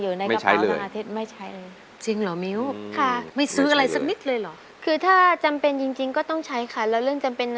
ร้องได้ให้ล้าน